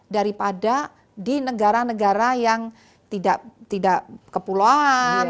daripada di negara negara yang tidak kepulauan